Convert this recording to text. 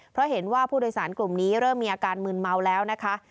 เพราะเห็นว่าผู้โดยสารกลุ่มนี้เริ่มมีอาการมืนเมาแล้วนะคะ